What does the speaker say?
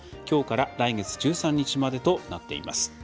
きょうから来月１３日までとなっています。